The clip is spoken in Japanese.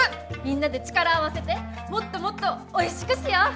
みんなで力を合わせてもっともっとおいしくしよう！